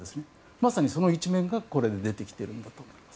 まさに、その一面が出てきているんだと思います。